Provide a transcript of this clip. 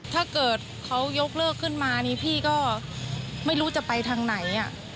ถ้าเกิดเขายกเลิกขึ้นมานี่พี่ก็ไม่รู้จะไปทางไหน